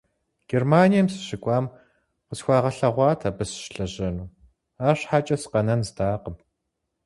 Германием сыщыкӀуам къысхуагъэлъэгъуат абы сыщылэжьэну, арщхьэкӀэ сыкъэнэн здакъым.